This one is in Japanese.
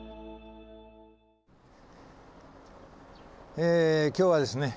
え今日はですね